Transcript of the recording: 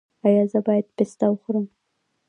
ایا زه باید پسته وخورم؟